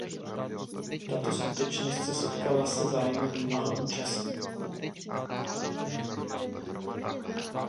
Tato skutečnost se setkala se zájmem mnoha účastníků.